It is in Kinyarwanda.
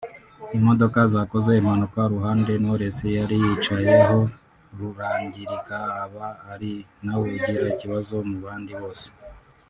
imodoka zakoze impanuka uruhande Knowless yari yicayeho rurangirika aba ari nawe ugira ikibazo mu bandi bose